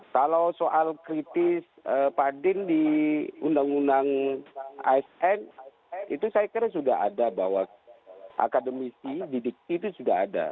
kalau soal kritis pak din di undang undang asn itu saya kira sudah ada bahwa akademisi didikti itu sudah ada